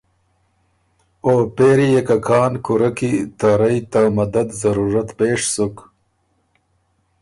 او پېری يې که کان کُورۀ کی ته رئ ته مدد ضرورت پېش سُک